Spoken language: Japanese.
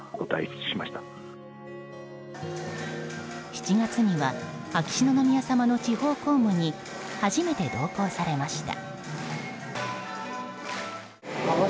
７月には秋篠宮さまの地方公務に初めて同行されました。